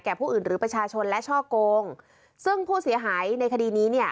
ผู้อื่นหรือประชาชนและช่อโกงซึ่งผู้เสียหายในคดีนี้เนี่ย